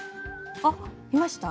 あっいました？